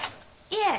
いえ。